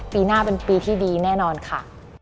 ปีหน้าเป็นปีที่ดีแน่นอนค่ะ